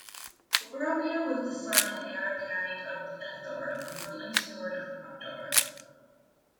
Boromir was the son and heir apparent of Denethor, the ruling Steward of Gondor.